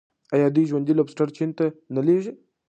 آیا دوی ژوندي لوبسټر چین ته نه لیږي؟